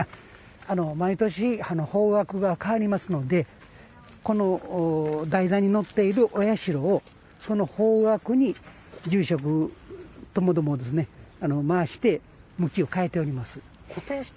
毎年方角が変わりますのでこの台座に乗っているお社をその方角に住職ともども回して、向きを変えております。